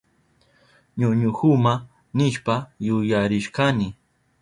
Wañuhuma nishpa yuyarishkani.